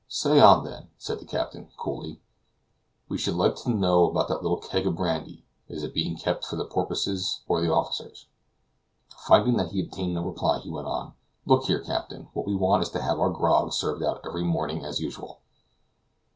"Say on, then," said the captain coolly. "We should like to know about that little keg of brandy. Is it being kept for the porpoises or the officers?" Finding that he obtained no reply, he went on: "Look here, captain, what we want is to have our grog served out every morning as usual."